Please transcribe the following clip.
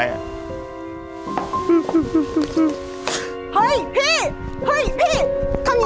เฮ้ยพี่